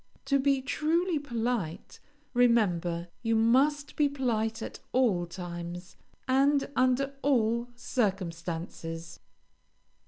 To be truly polite, remember you must be polite at all times, and under all circumstances.